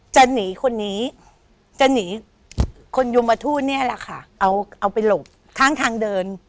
จะหนีคนนี้จะหนีคนยมทูตเนี่ยแหละค่ะเอาไปหลบข้างทางเดิน